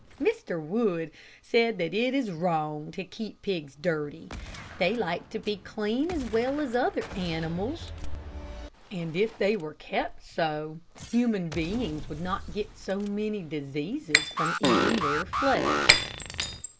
Mr. Wood said that it is wrong to keep pigs dirty. They like to be clean as well as other animals, and if they were kept so, human beings would not get so many diseases from eating their flesh.